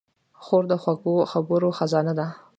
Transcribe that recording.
خور د خوږو خبرو خزانه ده.